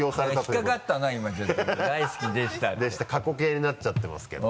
過去形になっちゃってますけど。